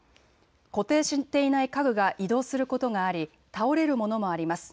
固定していない家具が移動することがあり倒れるものもあります。